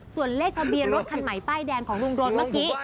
ส่วนเลขทะเบียนรถคันใหม่ป้ายแดงของลุงโดนเมื่อกี้